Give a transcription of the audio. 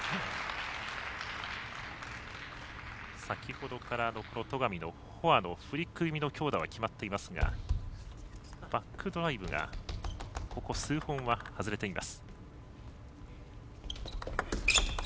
先ほどから戸上のフォアのフリック気味の強打は決まっていますがバックドライブがここ数本は外れています。